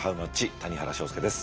谷原章介です。